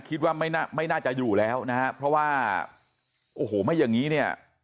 คิดว่าไม่น่าจะอยู่แล้วนะฮะเพราะว่าโอ้โหไม่อย่างนี้เนี่ย